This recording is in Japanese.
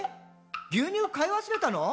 牛乳買い忘れたの？」